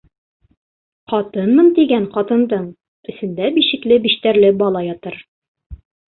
Ҡатынмын тигән ҡатындың эсендә бишекле-биштәрле бала ятыр.